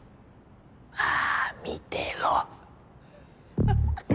まあ見てろ。